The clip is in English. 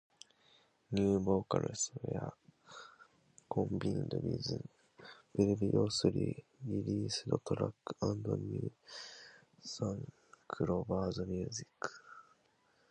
New vocals were combined with previously released tracks and new Synclavier music.